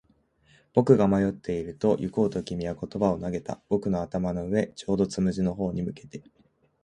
僕が迷っていると、行こうと君は言葉を投げた。僕の頭の上、ちょうどつむじの方に向けて。